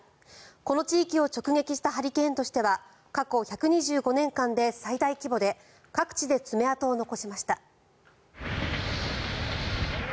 この地域を直撃したハリケーンとしては過去１２５年間で最大規模で各地で爪痕を残しました。